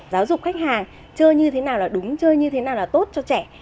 giáo dục khách hàng chơi như thế nào là đúng chơi như thế nào là tốt cho trẻ